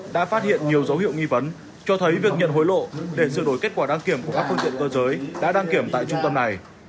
đã phát hiện nhiều dấu hiệu nghi vấn cho thấy việc nhận hối lộ để sửa đổi kết quả đăng kiểm của các phương tiện cơ giới đã đăng kiểm tại trung tâm này